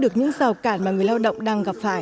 được những rào cản mà người lao động đang gặp phải